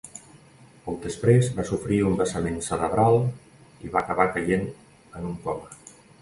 Poc després, va sofrir un vessament cerebral i va acabar caient en un coma.